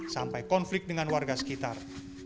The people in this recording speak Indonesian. sampai konflik dengan warga sekitar